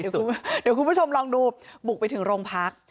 เดี๋ยวคุณผู้ชมลองดูบุกไปถึงโรงพัก